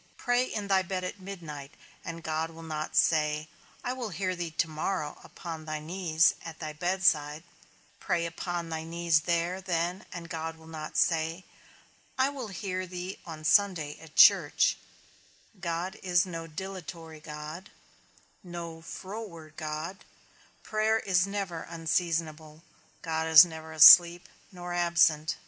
Pray in thy bed at midnight, and God will not say, I will hear thee to morrow upon thy knees, at thy bedside; pray upon thy knees there then, and God will not say, I will hear thee on Sunday at church; God is no dilatory God, no froward God; prayer is never unseasonable, God is never asleep, nor absent.